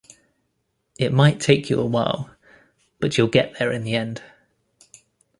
It might take you a while, but you'll get there in the end.